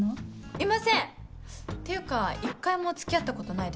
いませんっていうか一回も付き合ったことないです。